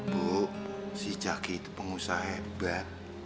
bu si jaki itu pengusaha hebat